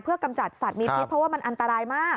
กำจัดสัตว์มีพิษเพราะว่ามันอันตรายมาก